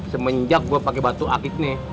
semenjak gue pake batu akik nih